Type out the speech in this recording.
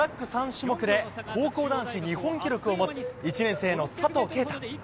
３種目で高校男子日本記録を持つ、１年生の佐藤圭汰。